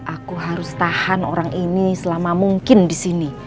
aku harus tahan orang ini selama mungkin disini